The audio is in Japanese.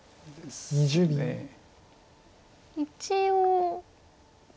一応。